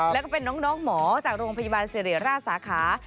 แล้วก็เป็นน้องหมอจากโรงพยาบาลสิริราชสาขา